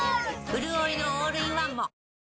うるおいのオールインワンも！